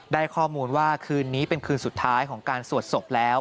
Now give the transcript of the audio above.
ได้ข้อมูลว่าคืนนี้เป็นคืนสุดท้ายของการสวดศพแล้ว